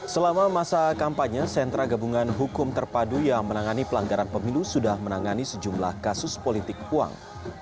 selama masa kampanye sentra gabungan hukum terpadu yang menangani pelanggaran pemilu sudah menangani sejumlah kasus politik uang